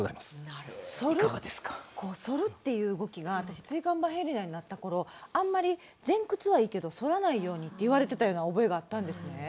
反る反るという動きが私椎間板ヘルニアになったころあんまり前屈はいいけど反らないようにって言われてたような覚えがあったんですね。